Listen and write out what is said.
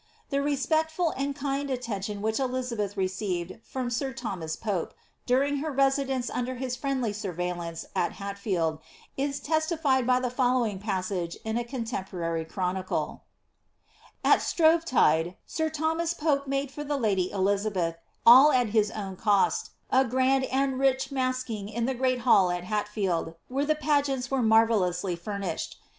The respectfol and kind attention which Diabeth received from sir Thomas Pope, daring hm residence under his friendly wurveilhmce at Hatfield, is tested 1^ the following passage in a contempomry chronicle ^—^ At Shrovetidei air Thomas Pope Brade for the lady Eliabeth, all at his own cost, m gnad and rich masking in the great hall at Hatfield, where the pageants wen roanrellonsly furnished.